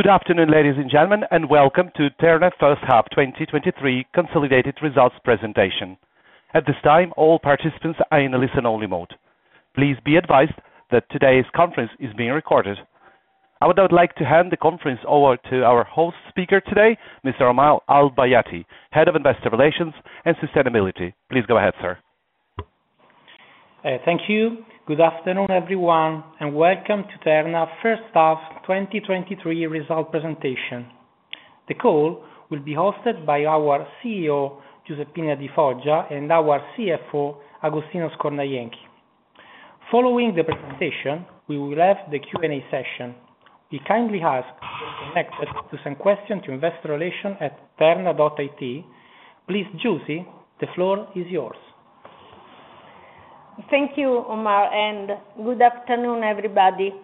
Good afternoon, ladies and gentlemen, and welcome to Terna First Half 2023 Consolidated Results Presentation. At this time, all participants are in a listen-only mode. Please be advised that today's conference is being recorded. I would now like to hand the conference over to our host speaker today, Mr. Omar Al-Bayaty, Head of Investor Relations and Sustainability. Please go ahead, sir. Thank you. Good afternoon, everyone. Welcome to Terna First Half 2023 Result Presentation. The call will be hosted by our CEO, Giuseppina Di Foggia, and our CFO, Agostino Scornajenchi. Following the presentation, we will have the Q&A session. We kindly ask those connected to send question to investor.relations@terna.it. Please, Giusy, the floor is yours. Thank you, Omar. Good afternoon, everybody.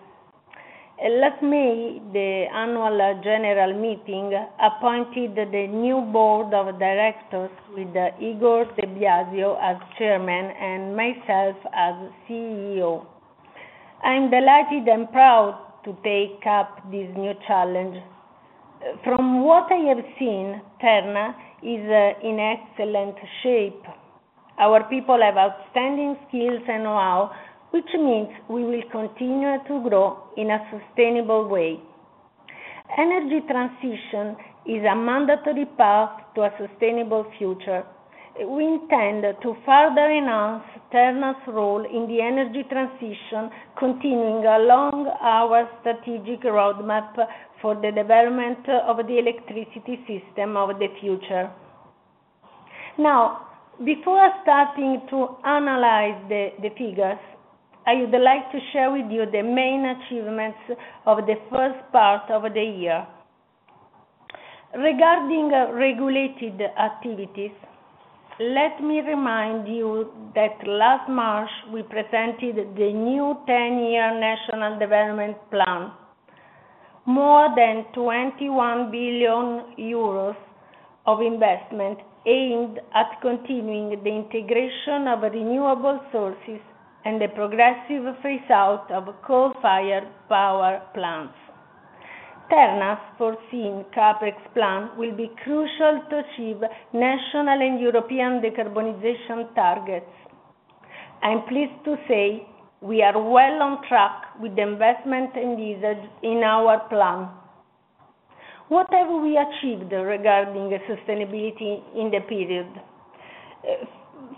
Last May, the Annual General Meeting appointed the new Board of Directors with Igor De Biasio as chairman and myself as CEO. I'm delighted and proud to take up this new challenge. From what I have seen, Terna is in excellent shape. Our people have outstanding skills and know-how, which means we will continue to grow in a sustainable way. Energy transition is a mandatory path to a sustainable future. We intend to further enhance Terna's role in the energy transition, continuing along our strategic roadmap for the development of the electricity system of the future. Before starting to analyze the figures, I would like to share with you the main achievements of the first part of the year. Regarding regulated activities, let me remind you that last March, we presented the new 10-year National Development Plan. More than 21 billion euros of investment aimed at continuing the integration of renewable sources and the progressive phase-out of coal-fired power plants. Terna's foreseen CapEx plan will be crucial to achieve national and European decarbonization targets. I'm pleased to say we are well on track with the investment and usage in our plan. What have we achieved regarding sustainability in the period?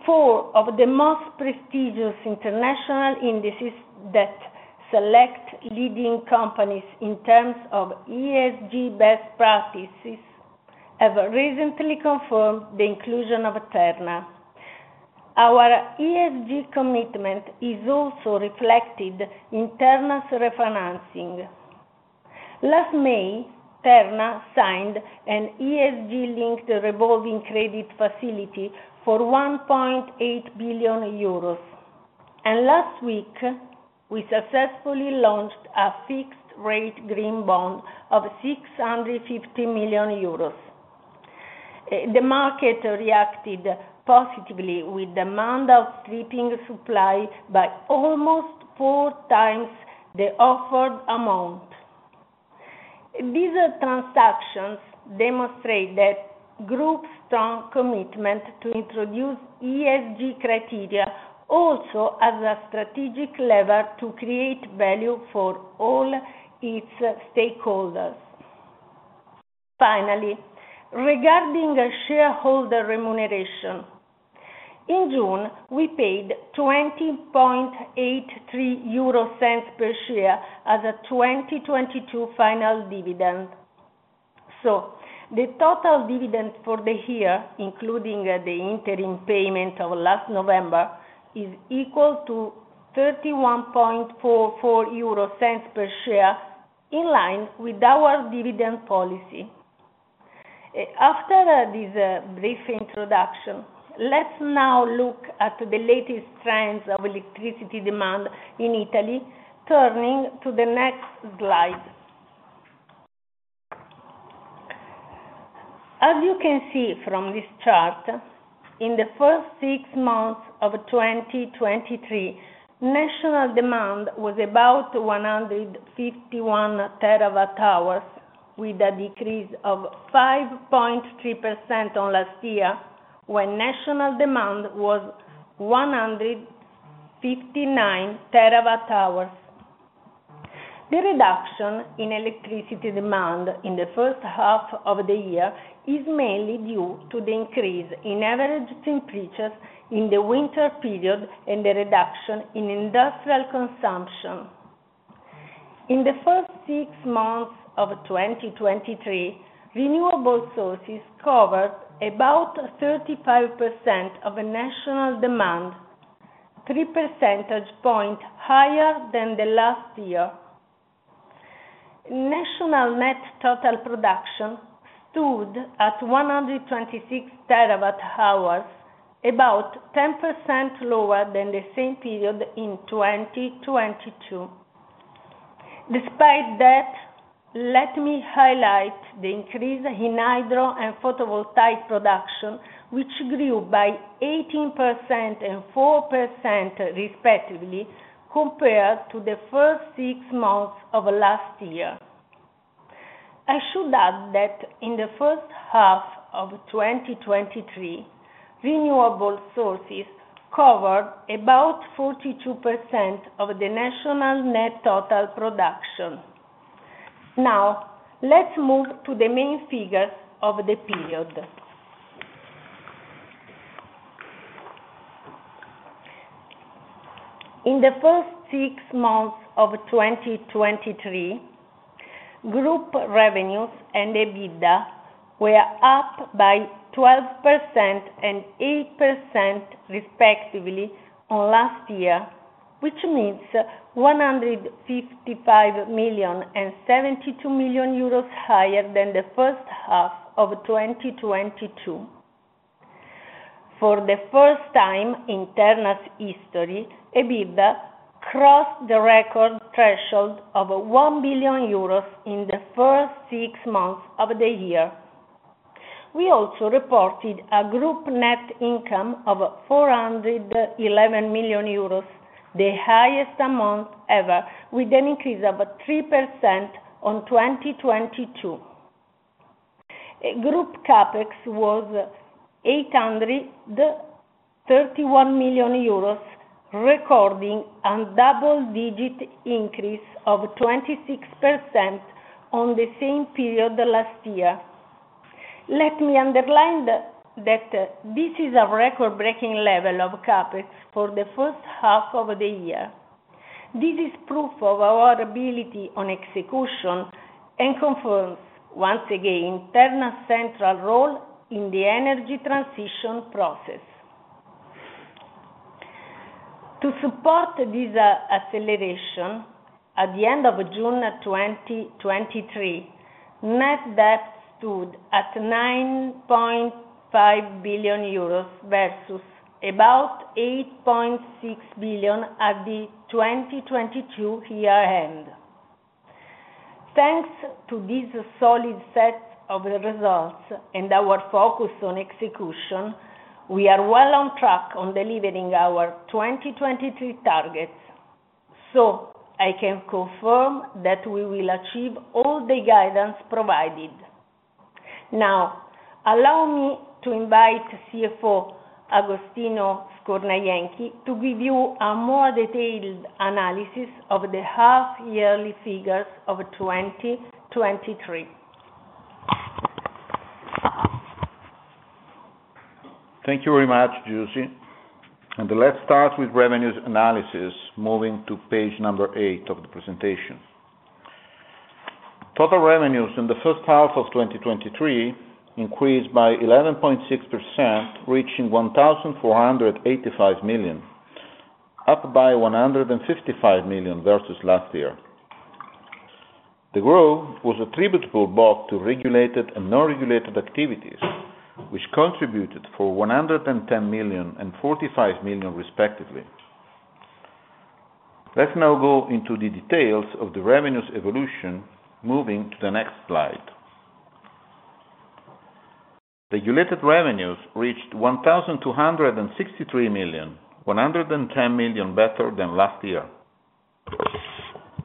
Four of the most prestigious international indices that select leading companies in terms of ESG best practices, have recently confirmed the inclusion of Terna. Our ESG commitment is also reflected in Terna's refinancing. Last May, Terna signed an ESG-linked revolving credit facility for 1.8 billion euros. Last week, we successfully launched a fixed rate green bond of 650 million euros. The market reacted positively with demand outstripping supply by almost 4x the offered amount. These transactions demonstrate that group's strong commitment to introduce ESG criteria, also as a strategic lever to create value for all its stakeholders. Regarding our shareholder remuneration, in June, we paid 0.2083 per share as a 2022 final dividend. The total dividend for the year, including the interim payment of last November, is equal to 0.3144 per share, in line with our dividend policy. After this brief introduction, let's now look at the latest trends of electricity demand in Italy, turning to the next slide. As you can see from this chart, in the first six months of 2023, national demand was about 151 TWh, with a decrease of 5.3% on last year, when national demand was 159 TWh.The reduction in electricity demand in the first half of the year is mainly due to the increase in average temperatures in the winter period and the reduction in industrial consumption. In the first six months of 2023, renewable sources covered about 35% of national demand, 3% point higher than the last year. National net total production stood at 126 TWh, about 10% lower than the same period in 2022. Despite that, let me highlight the increase in hydro and photovoltaic production, which grew by 18% and 4%, respectively, compared to the first six months of last year. I should add that in the first half of 2023, renewable sources covered about 42% of the national net total production. Now, let's move to the main figures of the period. In the first six months of 2023, group revenues and EBITDA were up by 12% and 8%, respectively, on last year, which means 155 million and 72 million euros higher than the first half of 2022. For the first time in Terna's history, EBITDA crossed the record threshold of 1 billion euros in the first six months of the year. We also reported a group net income of 411 million euros, the highest amount ever, with an increase of 3% on 2022. Group CapEx was 831 million euros, recording a double-digit increase of 26% on the same period last year. Let me underline that, that this is a record-breaking level of CapEx for the first half of the year. This is proof of our ability on execution, confirms, once again, Terna's central role in the energy transition process. To support this acceleration, at the end of June 2023, net debt stood at 9.5 billion euros, versus about 8.6 billion at the 2022 year end. Thanks to this solid set of results and our focus on execution, we are well on track on delivering our 2023 targets. I can confirm that we will achieve all the guidance provided. Allow me to invite CFO Agostino Scornajenchi to give you a more detailed analysis of the half yearly figures of 2023. Thank you very much, Giusy. Let's start with revenues analysis, moving to page 8 of the presentation. Total revenues in the first half of 2023 increased by 11.6%, reaching 1,485 million, up by 155 million versus last year. The growth was attributable both to regulated and non-regulated activities, which contributed for 110 million and 45 million, respectively. Let's now go into the details of the revenues evolution, moving to the next slide. The regulated revenues reached 1,263 million, 110 million better than last year.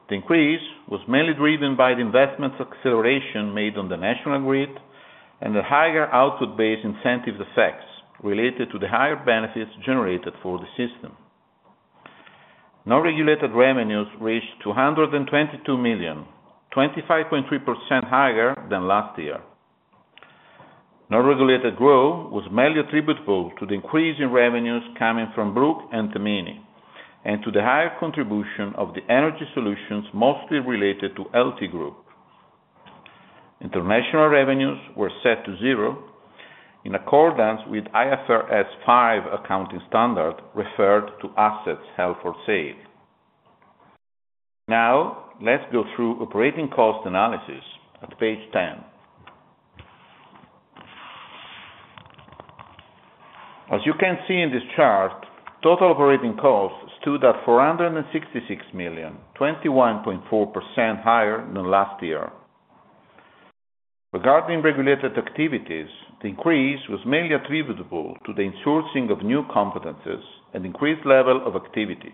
The increase was mainly driven by the investments acceleration made on the national grid, the higher output-based incentive effects related to the higher benefits generated for the system. Non-regulated revenues reached 222 million, 25.3% higher than last year. Non-regulated growth was mainly attributable to the increase in revenues coming from Brugg and Tamini, and to the higher contribution of the energy solutions, mostly related to LT Group. International revenues were set to zero, in accordance with IFRS 5 accounting standard, referred to assets held for sale. Let's go through operating cost analysis at page 10. As you can see in this chart, total operating costs stood at 466 million, 21.4% higher than last year. Regarding regulated activities, the increase was mainly attributable to the insourcing of new competencies and increased level of activity,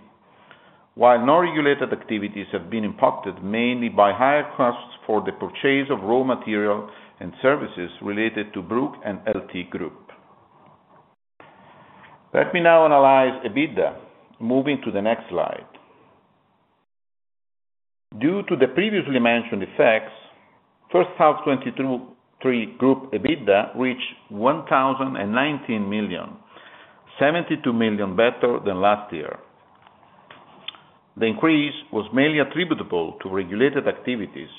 while non-regulated activities have been impacted mainly by higher costs for the purchase of raw material and services related to Brugg and LT Group.Let me now analyze EBITDA, moving to the next slide. Due to the previously mentioned effects, first half 2023 group EBITDA reached 1,019 million, 72 million better than last year. The increase was mainly attributable to regulated activities,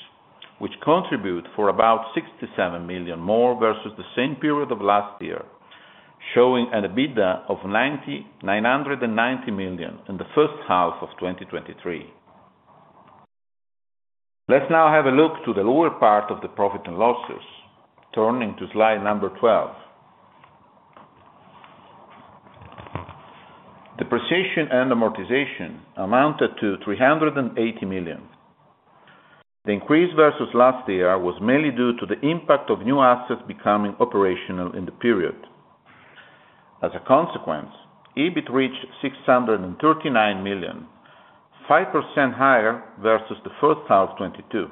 which contribute for about 67 million more versus the same period of last year, showing an EBITDA of 990 million in the first half of 2023. Let's now have a look to the lower part of the profit and losses, turning to slide number 12. Depreciation and amortization amounted to 380 million. The increase versus last year was mainly due to the impact of new assets becoming operational in the period. As a consequence, EBIT reached 639 million, 5% higher versus the first half 2022.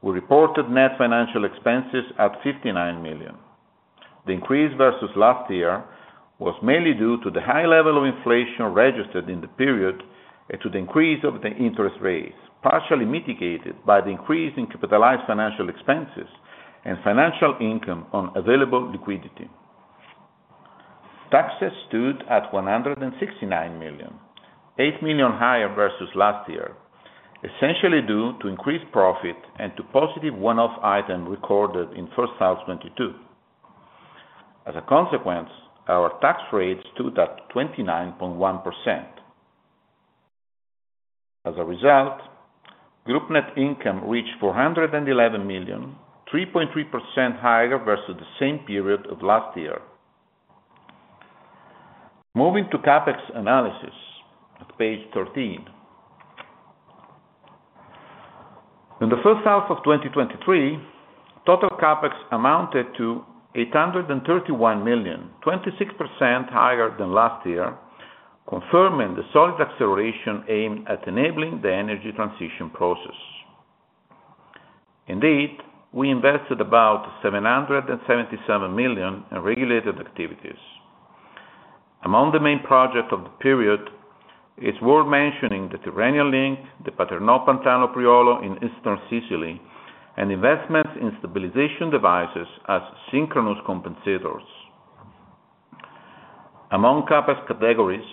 We reported net financial expenses at 59 million. The increase versus last year was mainly due to the high level of inflation registered in the period, to the increase of the interest rates, partially mitigated by the increase in capitalized financial expenses and financial income on available liquidity. Taxes stood at 169 million, 8 million higher versus last year, essentially due to increased profit to positive one-off item recorded in first half 2022. As a consequence, our tax rate stood at 29.1%. As a result, group net income reached 411 million, 3.3% higher versus the same period of last year. Moving to CapEx analysis, at page 13. In the first half of 2023, total CapEx amounted to 831 million, 26% higher than last year, confirming the solid acceleration aimed at enabling the energy transition process. Indeed, we invested about 777 million in regulated activities. Among the main projects of the period, it's worth mentioning the Tyrrhenian Link, the Paternò-Pantano-Priolo in Eastern Sicily, and investments in stabilization devices as synchronous compensators. Among CapEx categories,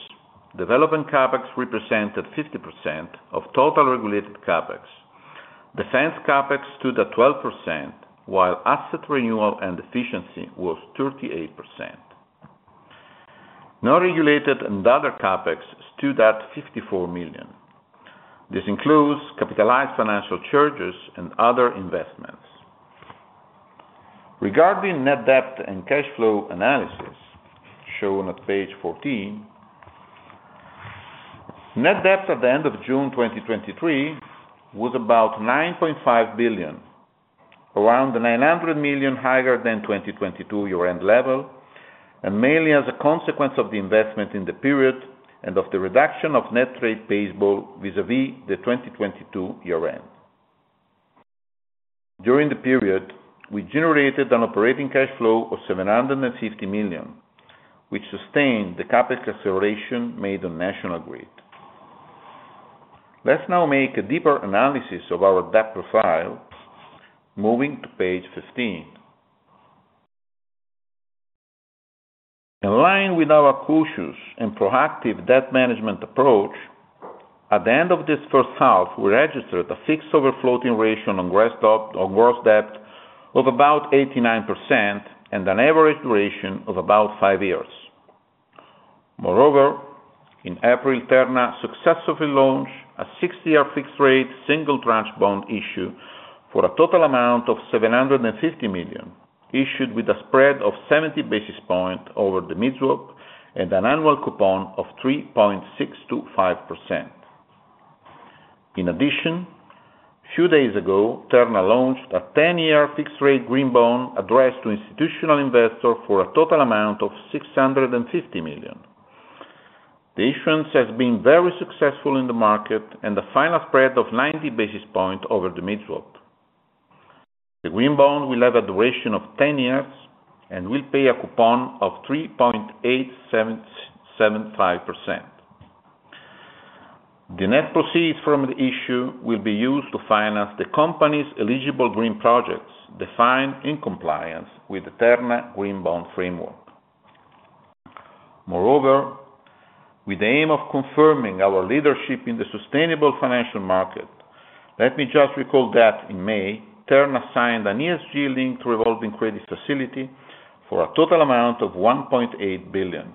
development CapEx represented 50% of total regulated CapEx. Defense CapEx stood at 12%, while asset renewal and efficiency was 38%. Non-regulated and other CapEx stood at 54 million. This includes capitalized financial charges and other investments. Regarding net debt and cash flow analysis, shown on page 14, net debt at the end of June 2023, was about 9.5 billion, around 900 million higher than 2022 year-end level, and mainly as a consequence of the investment in the period, and of the reduction of net trade payable vis-à-vis the 2022 year-end. During the period, we generated an operating cash flow of 750 million, which sustained the CapEx acceleration made on the national grid. Let's now make a deeper analysis of our debt profile, moving to page 15. In line with our cautious and proactive debt management approach, at the end of this first half, we registered a fixed over floating ratio on gross debt of about 89%, and an average duration of about five years. In April, Terna successfully launched a six-year fixed rate, single tranche bond issue for a total amount of 750 million, issued with a spread of 70 basis points over the mid-swap, and an annual coupon of 3.625%. In addition, few days ago, Terna launched a ten-year fixed rate green bond addressed to institutional investor for a total amount of 650 million. The issuance has been very successful in the market, and a final spread of 90 basis points over the mid-swap. The green bond will have a duration of 10 years, and will pay a coupon of 3.8775%. The net proceeds from the issue will be used to finance the company's eligible green projects, defined in compliance with the Terna Green Bond Framework. With the aim of confirming our leadership in the sustainable financial market, let me just recall that in May, Terna signed an ESG-linked revolving credit facility for a total amount of 1.8 billion.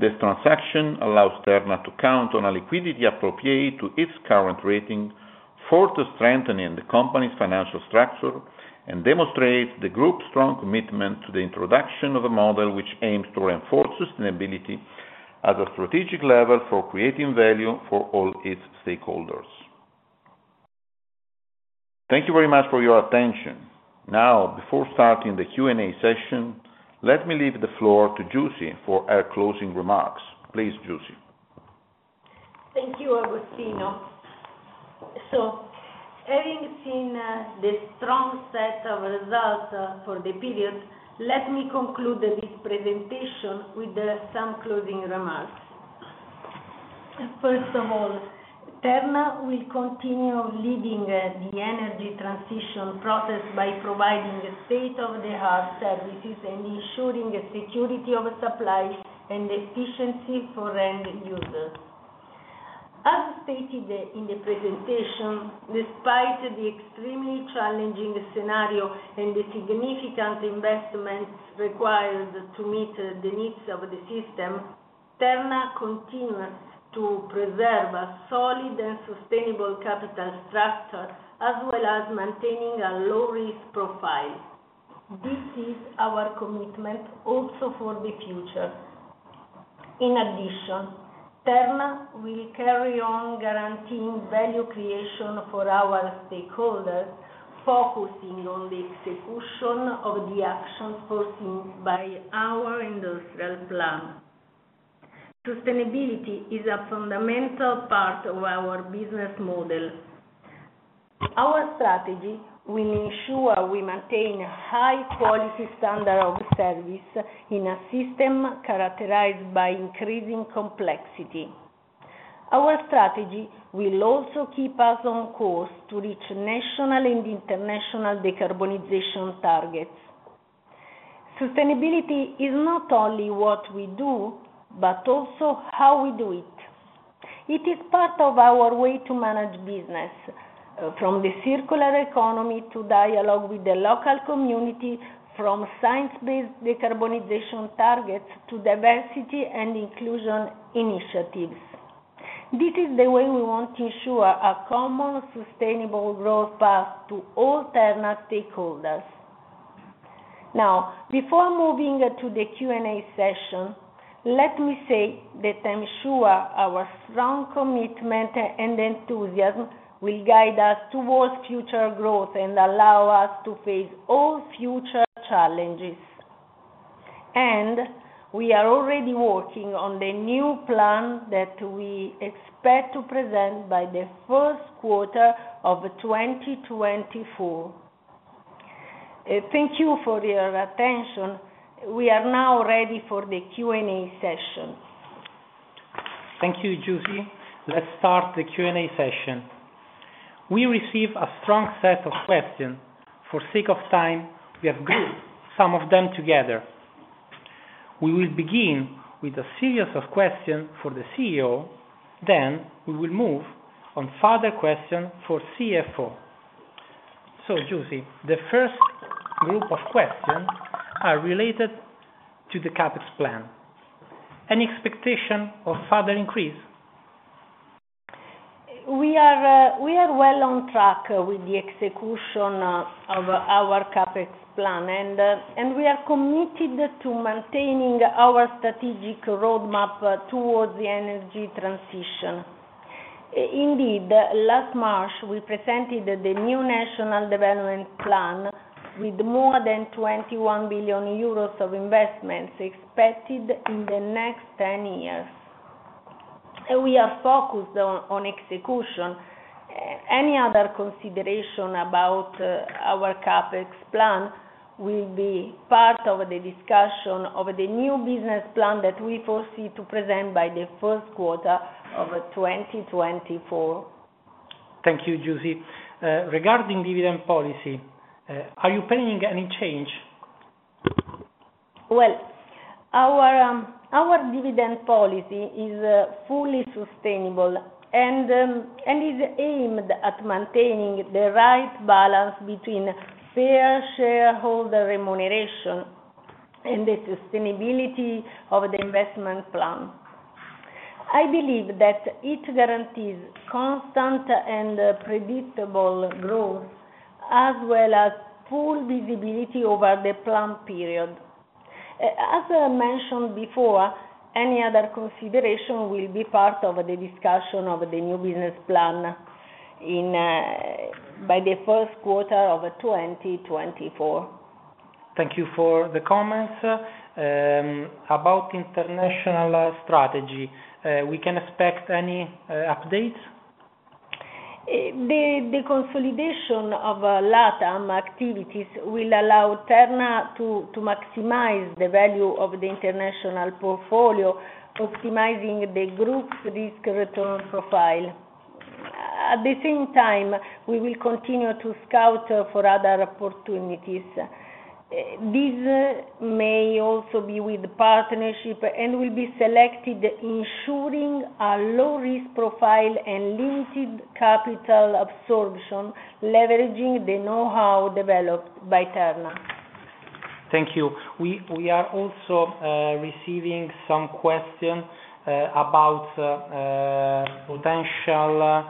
This transaction allows Terna to count on a liquidity appropriate to its current rating, further strengthening the company's financial structure, and demonstrates the group's strong commitment to the introduction of a model which aims to reinforce sustainability at a strategic level for creating value for all its stakeholders. Thank you very much for your attention. Now, before starting the Q&A session, let me leave the floor to Giusy for her closing remarks. Please, Giusy. Thank you, Agostino. Having seen the strong set of results for the period, let me conclude this presentation with some closing remarks. First of all, Terna will continue leading the energy transition process by providing a state-of-the-art services, and ensuring a security of supply and efficiency for end users. As stated in the presentation, despite the extremely challenging scenario and the significant investments required to meet the needs of the system, Terna continues to preserve a solid and sustainable capital structure, as well as maintaining a low risk profile. This is our commitment also for the future. In addition, Terna will carry on guaranteeing value creation for our stakeholders, focusing on the execution of the actions foreseen by our industrial plan. Sustainability is a fundamental part of our business model. Our strategy will ensure we maintain a high quality standard of service in a system characterized by increasing complexity. Our strategy will also keep us on course to reach national and international decarbonization targets. Sustainability is not only what we do, but also how we do it. It is part of our way to manage business from the circular economy, to dialogue with the local community, from science-based decarbonization targets, to diversity and inclusion initiatives. This is the way we want to ensure a common, sustainable growth path to all Terna stakeholders. Now, before moving to the Q&A session, let me say that I'm sure our strong commitment and enthusiasm will guide us towards future growth, and allow us to face all future challenges. We are already working on the new plan that we expect to present by the first quarter of 2024.Thank you for your attention. We are now ready for the Q&A session. Thank you, Giusy. Let's start the Q&A session. We received a strong set of questions. For sake of time, we have grouped some of them together. We will begin with a series of questions for the CEO, then we will move on further questions for CFO. Giusy, the first group of questions are related to the CapEx plan. Any expectation of further increase? We are well on track with the execution of our CapEx plan, and we are committed to maintaining our strategic roadmap towards the energy transition. Indeed, last March, we presented the new National Development Plan with more than 21 billion euros of investments expected in the next 10 years, and we are focused on execution. Any other consideration about our CapEx plan will be part of the discussion of the new business plan that we foresee to present by the first quarter of 2024. Thank you, Giusy. Regarding dividend policy, are you planning any change? Well, our dividend policy is fully sustainable, and is aimed at maintaining the right balance between fair shareholder remuneration and the sustainability of the investment plan. I believe that it guarantees constant and predictable growth, as well as full visibility over the plan period. As I mentioned before, any other consideration will be part of the discussion of the new business plan by the first quarter of 2024. Thank you for the comments. About international strategy, we can expect any updates? The consolidation of LatAm activities will allow Terna to maximize the value of the international portfolio, optimizing the group's risk return profile. At the same time, we will continue to scout for other opportunities. These may also be with partnership, and will be selected, ensuring a low-risk profile and limited capital absorption, leveraging the know-how developed by Terna. Thank you. We are also receiving some questions about potential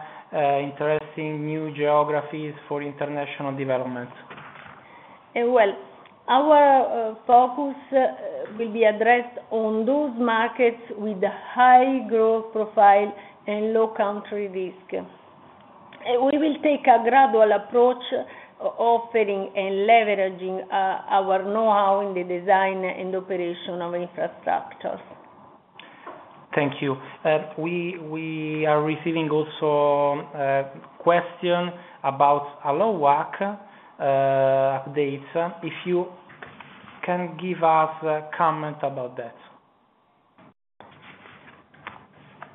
interesting new geographies for international development. Well, our focus will be addressed on those markets with high growth profile and low country risk. We will take a gradual approach, offering and leveraging our know-how in the design and operation of infrastructures. Thank you. We are receiving also question about allowed WACC updates. If you can give us a comment about that?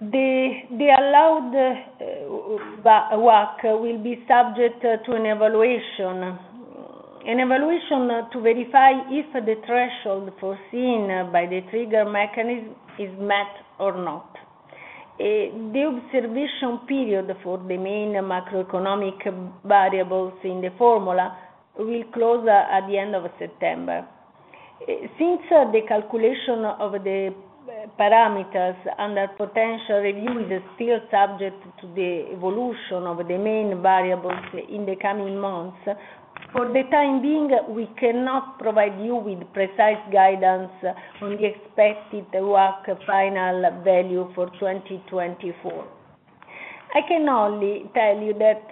The allowed WACC will be subject to an evaluation. An evaluation to verify if the threshold foreseen by the trigger mechanism is met or not. The observation period for the main macroeconomic variables in the formula will close at the end of September. Since the calculation of the parameters and their potential review is still subject to the evolution of the main variables in the coming months. For the time being, we cannot provide you with precise guidance on the expected WACC final value for 2024. I can only tell you that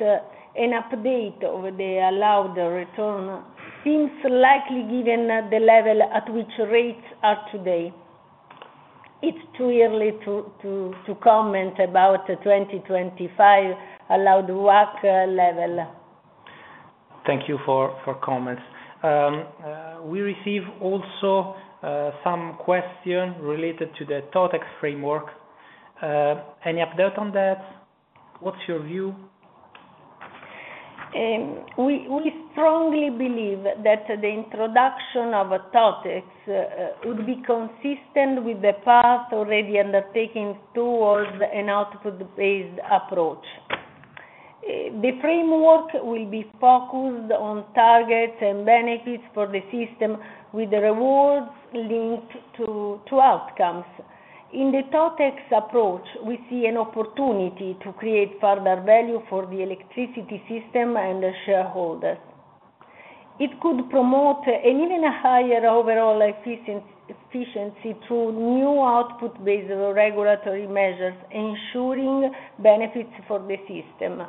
an update of the allowed return seems likely, given the level at which rates are today. It's too early to comment about the 2025 allowed WACC level. Thank you for comments. We receive also some question related to the TOTEX framework. Any update on that? What's your view? We strongly believe that the introduction of a TOTEX would be consistent with the path already undertaking towards an output-based approach. The framework will be focused on targets and benefits for the system, with the rewards linked to outcomes. In the TOTEX approach, we see an opportunity to create further value for the electricity system and the shareholders. It could promote an even higher overall efficiency through new output-based regulatory measures, ensuring benefits for the system.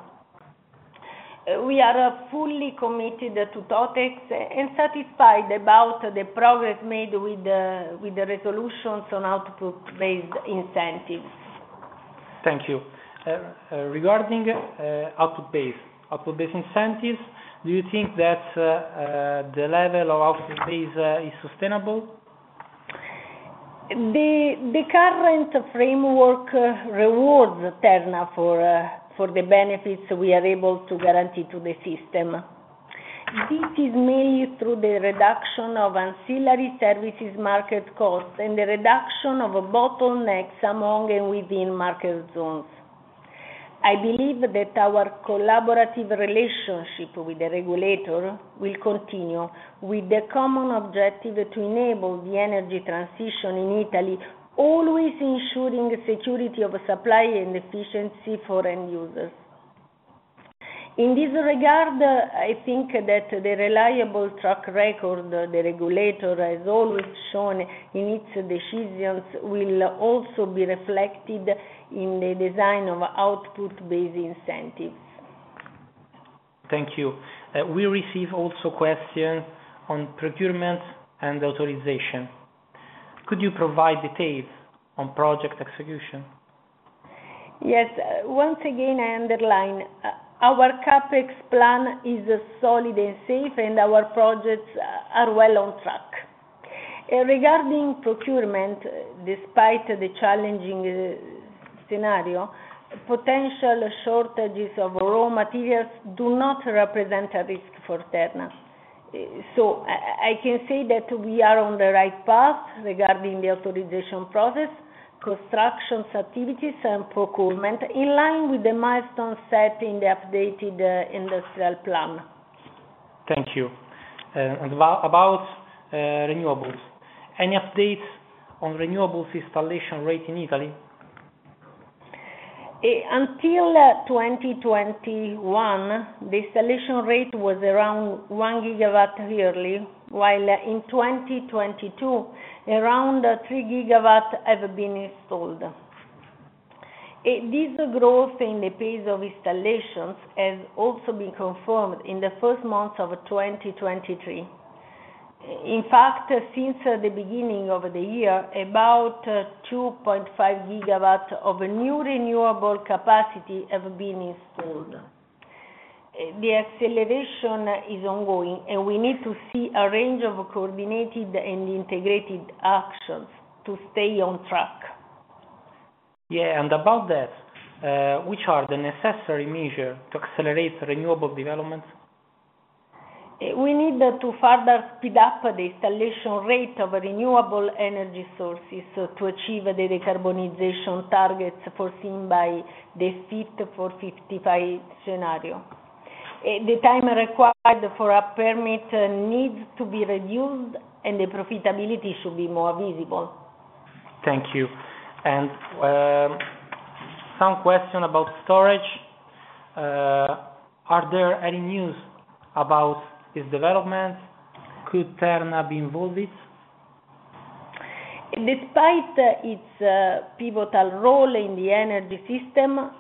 We are fully committed to TOTEX, and satisfied about the progress made with the resolutions on output-based incentives. Thank you. Regarding output-based incentives, do you think that the level of output-base is sustainable? The current framework rewards Terna for the benefits we are able to guarantee to the system. This is mainly through the reduction of Ancillary Services Market costs, and the reduction of bottlenecks among and within market zones. I believe that our collaborative relationship with the regulator will continue, with the common objective to enable the energy transition in Italy, always ensuring security of supply and efficiency for end users. In this regard, I think that the reliable track record the regulator has always shown in its decisions, will also be reflected in the design of output-based incentives. Thank you. We receive also question on procurement and authorization. Could you provide details on project execution? Yes. Once again, I underline, our CapEx plan is solid and safe, and our projects are well on track. Regarding procurement, despite the challenging scenario, potential shortages of raw materials do not represent a risk for Terna. I can say that we are on the right path regarding the authorization process, constructions, activities, and procurement, in line with the milestones set in the updated industrial plan. Thank you. About renewables. Any updates on renewables installation rate in Italy? Until 2021, the installation rate was around 1 gigawatt yearly, while in 2022, around 3 GW have been installed. This growth in the pace of installations has also been confirmed in the first months of 2023. In fact, since the beginning of the year, about 2.5 GW of new renewable capacity have been installed. The acceleration is ongoing, and we need to see a range of coordinated and integrated actions to stay on track. Yeah, about that, which are the necessary measures to accelerate renewable development? We need to further speed up the installation rate of renewable energy sources, so to achieve the decarbonization targets foreseen by the Fit for 55 scenario. The time required for a permit needs to be reduced, and the profitability should be more visible. Thank you. Some question about storage. Are there any news about this development? Could Terna be involved it? Despite its pivotal role in the energy system,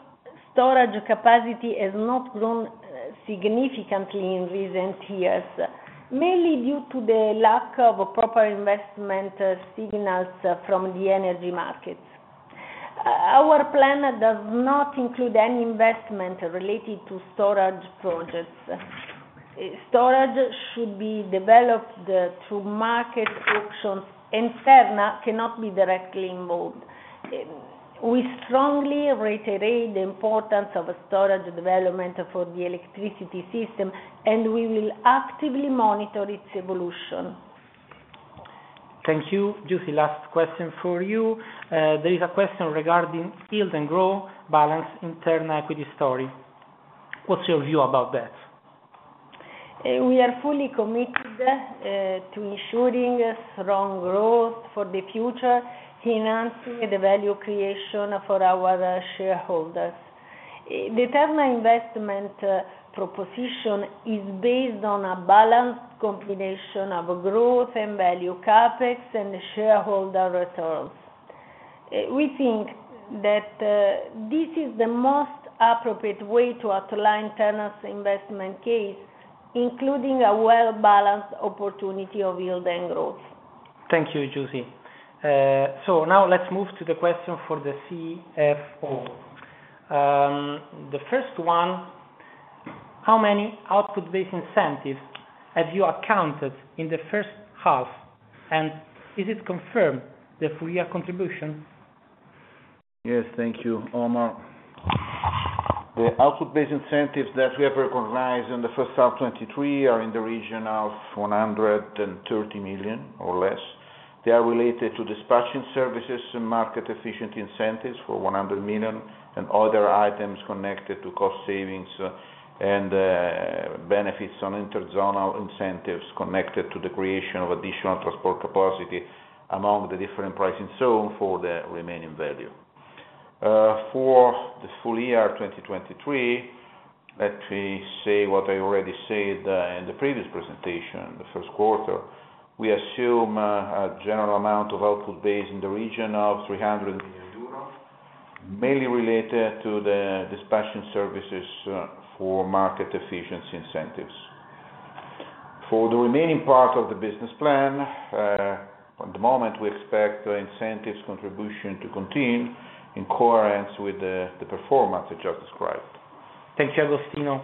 storage capacity has not grown significantly in recent years, mainly due to the lack of proper investment signals from the energy markets. Our plan does not include any investment related to storage projects. Storage should be developed through market auctions, and Terna cannot be directly involved. We strongly reiterate the importance of storage development for the electricity system, and we will actively monitor its evolution. Thank you. Giusy, last question for you. There is a question regarding yield and growth, balance in Terna equity story. What's your view about that? We are fully committed to ensuring strong growth for the future, enhancing the value creation for our shareholders. The Terna investment proposition is based on a balanced combination of growth and value CapEx, and shareholder returns. We think that this is the most appropriate way to outline Terna's investment case, including a well-balanced opportunity of yield and growth. Thank you, Giusy. Now let's move to the question for the CFO. The first one: how many output-based incentives have you accounted in the first half, and is it confirmed the full year contribution? Yes, thank you, Omar. The output-based incentives that we have recognized in the first half 2023 are in the region of 130 million or less. They are related to dispatching services and market efficiency incentives for 100 million, and other items connected to cost savings and benefits on interzonal incentives connected to the creation of additional transport capacity among the different pricing, so for the remaining value. For the full year of 2023, let me say what I already said in the previous presentation, the first quarter. We assume a general amount of output base in the region of 300 million euros, mainly related to the dispatching services for market efficiency incentives. For the remaining part of the business plan, at the moment, we expect the incentives contribution to continue in coherence with the, the performance I just described. Thank you, Agostino.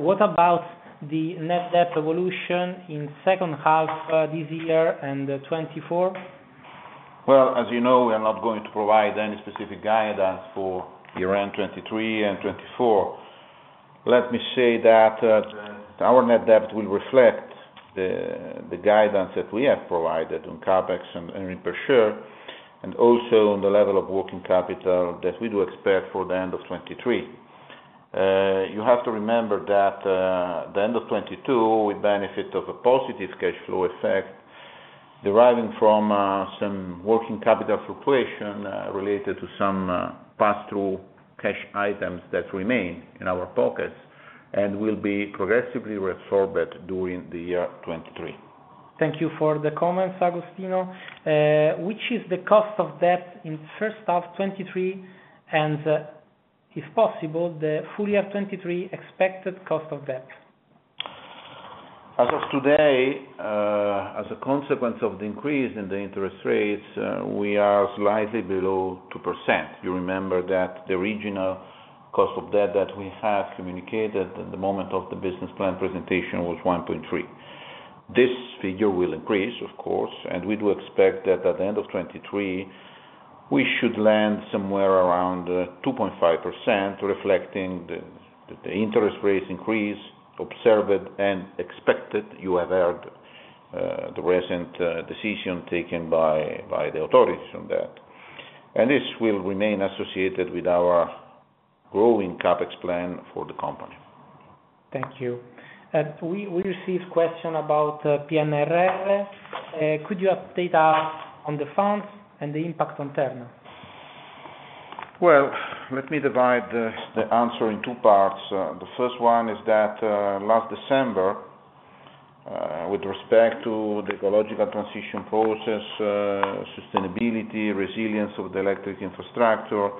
What about the net debt evolution in second half, this year and 2024? Well, as you know, we are not going to provide any specific guidance for year-end 2023 and 2024. Let me say that our net debt will reflect the guidance that we have provided on CapEx and per share, and also on the level of working capital that we do expect for the end of 2023. You have to remember that the end of 2022, with benefit of a positive cash flow effect, deriving from some working capital fluctuation, related to some pass-through cash items that remain in our pockets, and will be progressively reabsorbed during the year 2023. Thank you for the comments, Agostino. Which is the cost of debt in first half 2023, and if possible, the full year 2023 expected cost of debt? As of today, as a consequence of the increase in the interest rates, we are slightly below 2%. You remember that the original cost of debt that we had communicated at the moment of the business plan presentation, was 1.3%. This figure will increase, of course. We do expect that at the end of 2023, we should land somewhere around 2.5%, reflecting the interest rates increase, observed and expected. You have heard the recent decision taken by the authorities on that. This will remain associated with our growing CapEx plan for the company. Thank you. We received question about PNRR. Could you update us on the funds and the impact on Terna? Well, let me divide the answer in two parts. The first one is that, last December, with respect to the ecological transition process, sustainability, resilience of the electric infrastructure,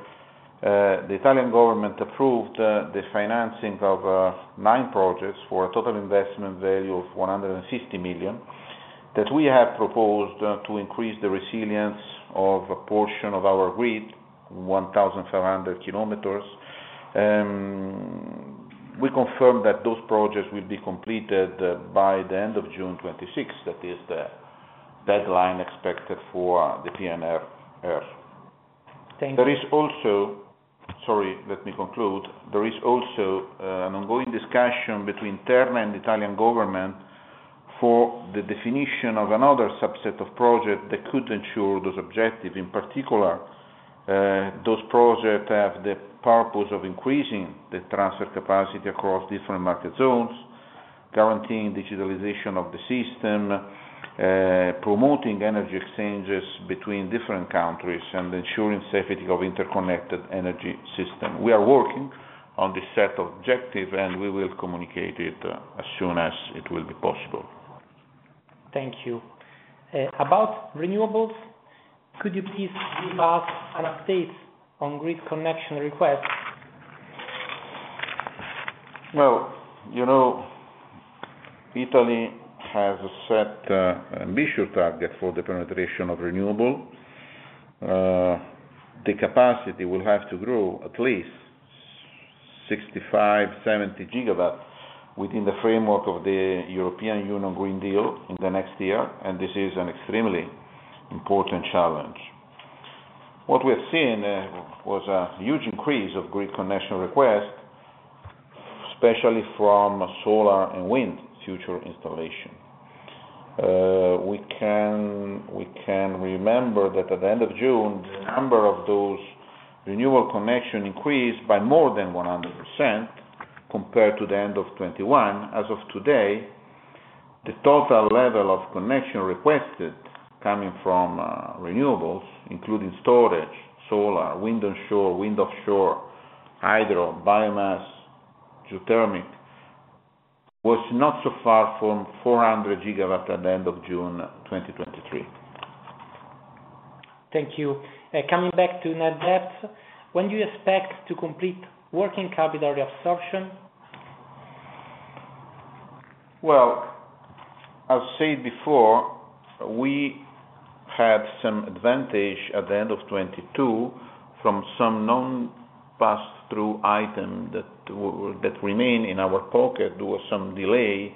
the Italian government approved the financing of nine projects for a total investment value of 150 million, that we have proposed to increase the resilience of a portion of our grid, 1,700 km. We confirm that those projects will be completed by the end of June 2026. That is the deadline expected for the PNRR. Thank you. There is also... Sorry, let me conclude. There is also an ongoing discussion between Terna and the Italian government, for the definition of another subset of project that could ensure those objectives. In particular, those projects have the purpose of increasing the transfer capacity across different market zones, guaranteeing digitalization of the system, promoting energy exchanges between different countries, and ensuring safety of interconnected energy system. We are working on this set of objectives, and we will communicate it as soon as it will be possible. Thank you. About renewables, could you please give us an update on grid connection requests? Well, you know, Italy has set ambitious target for the penetration of renewable. The capacity will have to grow at least 65 GW, 70 GW, within the framework of the European Union Green Deal in the next year. This is an extremely important challenge. What we have seen was a huge increase of grid connection requests, especially from solar and wind future installation. We can remember that at the end of June, the number of those renewable connection increased by more than 100% compared to the end of 2021. As of today, the total level of connection requested coming from renewables, including storage, solar, wind onshore, wind offshore, hydro, biomass, geothermal, was not so far from 400 GW at the end of June 2023. Thank you. Coming back to net debt, when do you expect to complete working capital reabsorption? I've said before, we had some advantage at the end of 2022 from some known pass-through item that remain in our pocket. There was some delay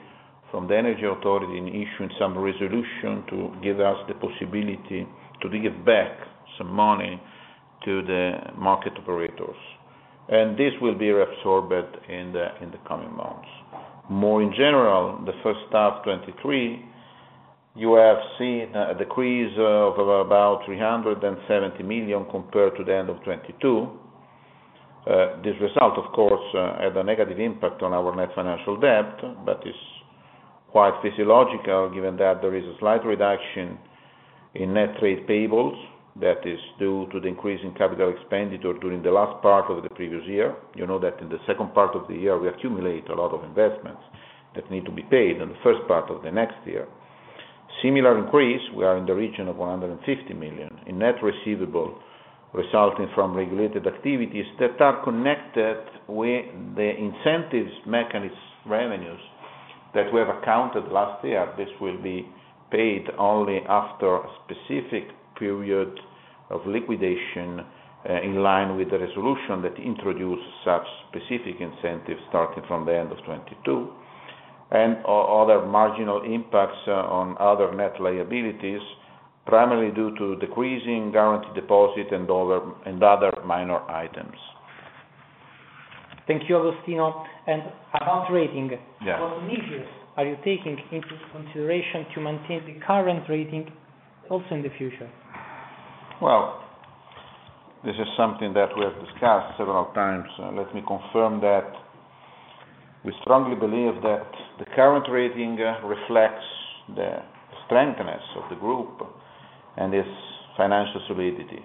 from the Energy Authority in issuing some resolution to give us the possibility to give back some money to the market operators, This will be reabsorbed in the coming months. More in general, the first half 2023, you have seen a decrease of about 370 million compared to the end of 2022. This result, of course, had a negative impact on our net financial debt, but is quite physiological, given that there is a slight reduction in net trade payables that is due to the increase in CapEx during the last part of the previous year. You know that in the second part of the year, we accumulate a lot of investments that need to be paid in the first part of the next year. Similar increase, we are in the region of 150 million, in net receivable, resulting from regulated activities that are connected with the incentives mechanism revenues that we have accounted last year. This will be paid only after a specific period of liquidation, in line with the resolution that introduced such specific incentives starting from the end of 2022, and other marginal impacts on other net liabilities, primarily due to decreasing guarantee deposit and other, and other minor items. Thank you, Agostino. About rating. Yeah. What measures are you taking into consideration to maintain the current rating also in the future? Well, this is something that we have discussed several times. Let me confirm that we strongly believe that the current rating reflects the strengthiness of the group and its financial solidity.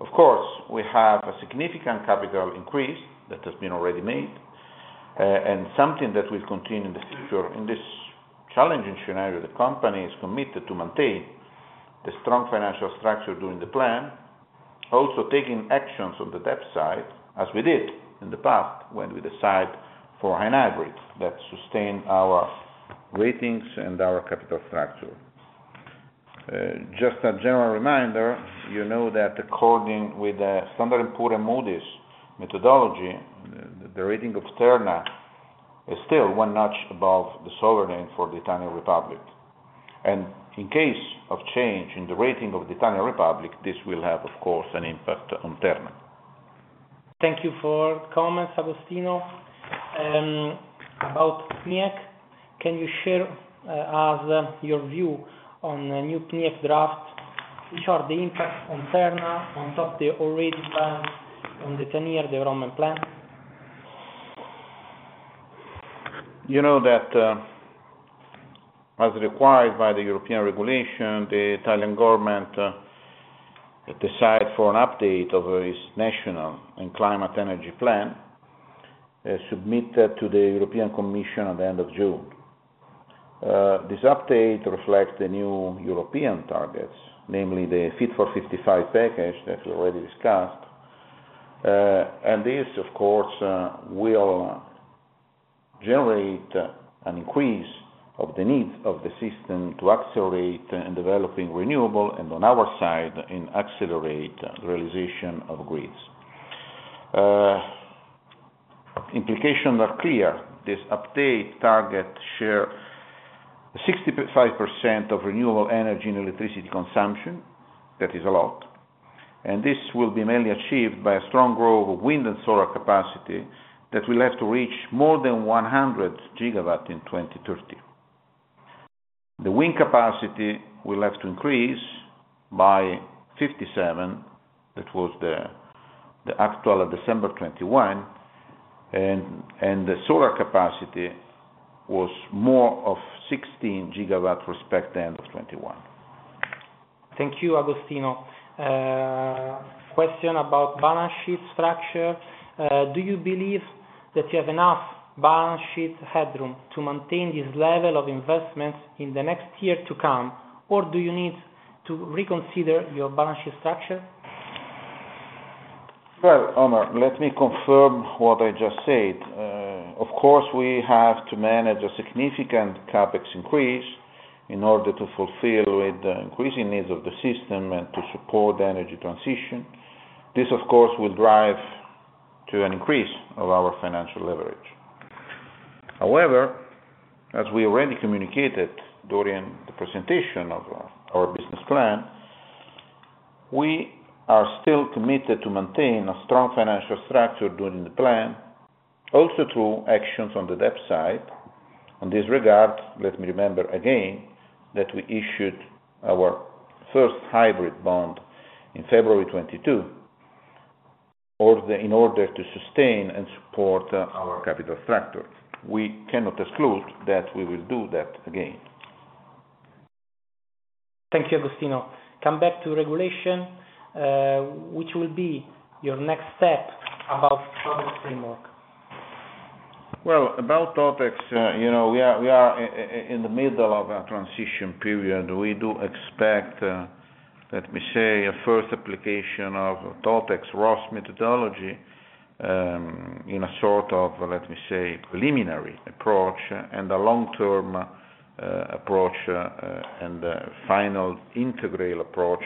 Of course, we have a significant capital increase that has been already made and something that will continue in the future. In this challenging scenario, the company is committed to maintain the strong financial structure during the plan. Taking actions on the debt side, as we did in the past, when we decide for a hybrid that sustained our ratings and our capital structure. Just a general reminder, you know that according with Standard & Poor's and Moody's methodology, the rating of Terna is still one notch above the sovereignty for the Italian Republic.In case of change in the rating of the Italian Republic, this will have, of course, an impact on Terna. Thank you for comments, Agostino. About PNIEC, can you share us your view on the new PNIEC draft? Which are the impact on Terna on top of the already planned on the 10-year development plan? You know, that, as required by the European regulation, the Italian government, decide for an update over its national and climate energy plan, submitted to the European Commission at the end of June. This update reflects the new European targets, namely the Fit for 55 package that we already discussed. This, of course, will generate an increase of the needs of the system to accelerate in developing renewable, and on our side, in accelerate realization of grids. Implications are clear. This update target share 65% of renewable energy and electricity consumption. That is a lot, and this will be mainly achieved by a strong growth of wind and solar capacity that will have to reach more than 100 GW in 2030.The wind capacity will have to increase by 57%, that was the actual of December 2021, and the solar capacity was more of 16 GW respect to end of 2021. Thank you, Agostino. Question about balance sheet structure? Do you believe that you have enough balance sheet headroom to maintain this level of investments in the next year to come, or do you need to reconsider your balance sheet structure? Well, Omar, let me confirm what I just said. Of course, we have to manage a significant CapEx increase in order to fulfill with the increasing needs of the system and to support the energy transition. This, of course, will drive to an increase of our financial leverage. As we already communicated during the presentation of our business plan, we are still committed to maintain a strong financial structure during the plan, also through actions on the debt side. On this regard, let me remember again, that we issued our first hybrid bond in February 2022, in order to sustain and support our capital structure. We cannot exclude that we will do that again. Thank you, Agostino. Come back to regulation, which will be your next step about product framework? About TOTEX, you know, we are, we are in the middle of a transition period. We do expect, let me say, a first application of TOTEX ROSS methodology, in a sort of, let me say, preliminary approach, and a long-term, approach, and a final integral approach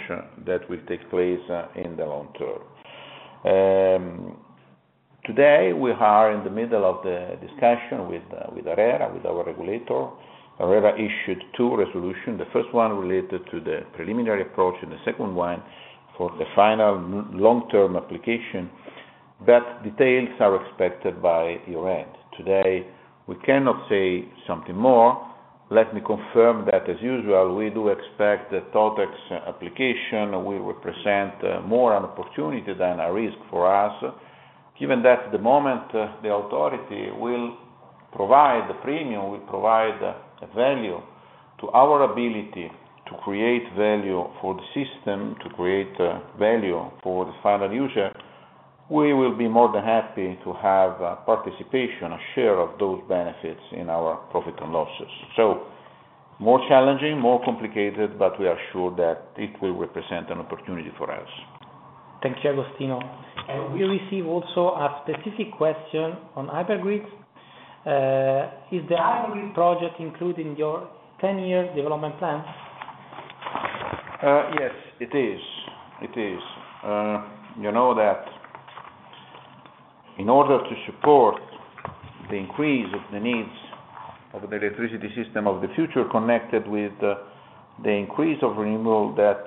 that will take place, in the long term. Today, we are in the middle of the discussion with, with ARERA, with our regulator. ARERA issued two resolution, the first one related to the preliminary approach, and the second one for the final long-term application. Details are expected by year-end. Today, we cannot say something more. Let me confirm that, as usual, we do expect the TOTEX application will represent, more an opportunity than a risk for us. Given that the moment, the authority will provide the premium, will provide a value to our ability to create value for the system, to create value for the final user, we will be more than happy to have participation, a share of those benefits in our profit and losses. More challenging, more complicated, but we are sure that it will represent an opportunity for us. Thank you, Agostino. We receive also a specific question on Hypergrid. Is the Hypergrid project included in your 10-year development plan? Yes, it is. You know that in order to support the increase of the needs of the electricity system of the future, connected with the, the increase of renewable that,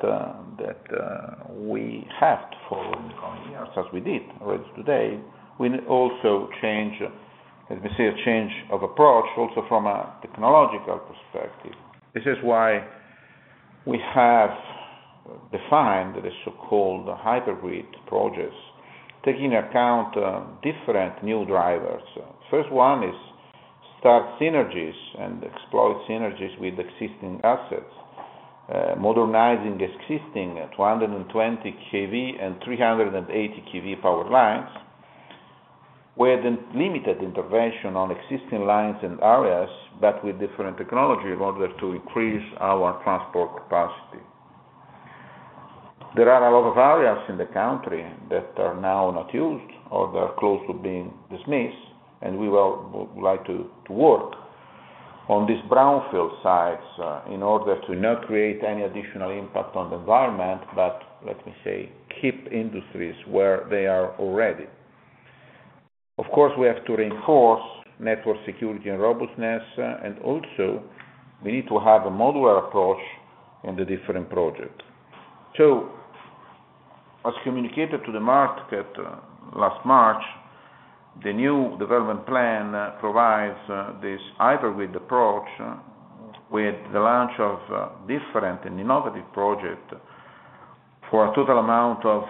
that, we have to follow in the coming years, as we did as today, we also change, let me say, a change of approach, also from a technological perspective. This is why we have defined the so-called Hypergrid projects, taking account different new drivers. First one is start synergies and exploit synergies with existing assets. Modernizing existing 220 kV and 380 kV power lines, with a limited intervention on existing lines and areas, but with different technology, in order to increase our transport capacity. There are a lot of areas in the country that are now not used, or they are close to being dismissed, we would like to work on these brownfield sites in order to not create any additional impact on the environment, but let me say, keep industries where they are already. Of course, we have to reinforce network security and robustness, and also we need to have a modular approach on the different project. As communicated to the market last March, the new Development Plan provides this Hypergrid approach, with the launch of different and innovative project for a total amount of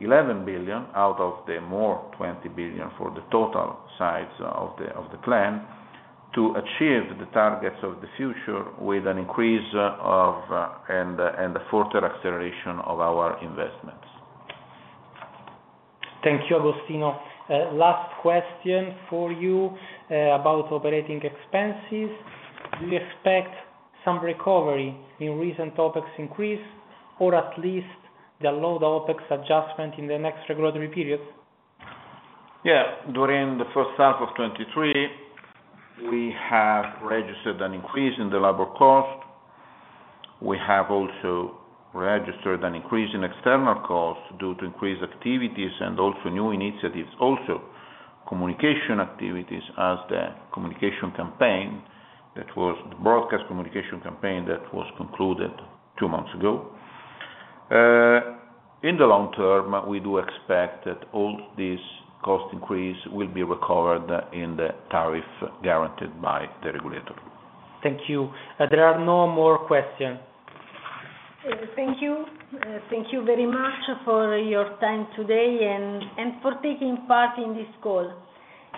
11 billion, out of the more 20 billion for the total size of the plan, to achieve the targets of the future with an increase of and a further acceleration of our investments. Thank you, Agostino. Last question for you, about operating expenses. Do you expect some recovery in recent OpEx increase, or at least the low TOTEX adjustment in the next regulatory period? During the first half of 2023, we have registered an increase in the labor cost. We have also registered an increase in external costs due to increased activities and also new initiatives, also communication activities, as the communication campaign. That was the broadcast communication campaign that was concluded two months ago. In the long term, we do expect that all this cost increase will be recovered in the tariff guaranteed by the regulator. Thank you. There are no more questions. Thank you. Thank you very much for your time today, and for taking part in this call.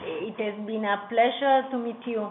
It has been a pleasure to meet you.